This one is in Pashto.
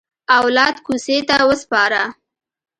اولاد کوڅې ته وسپاره.